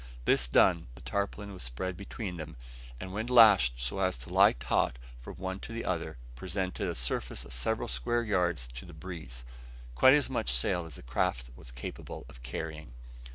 This done, the tarpaulin was spread between them, and when lashed so as to lie taut from one to the other, presented a surface of several square yards to the breeze, quite as much sail as the craft was capable of carrying.